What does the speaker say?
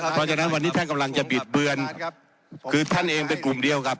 เพราะฉะนั้นวันนี้ท่านกำลังจะบิดเบือนคือท่านเองเป็นกลุ่มเดียวกับ